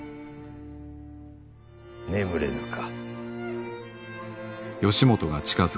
眠れぬか。